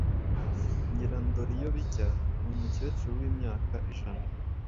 Nyirandoriyobijya ni umukecuru w’imyaka ijana